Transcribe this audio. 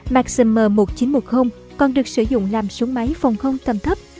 maxim m một nghìn chín trăm một mươi còn được sử dụng làm súng máy phòng không tầm thấp